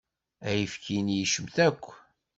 Ayefki-nni yecmet akk.